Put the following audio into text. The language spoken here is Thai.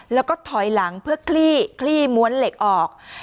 แล้วก็ถอยหลังเพื่อคลี่ม้วนเหล็กออก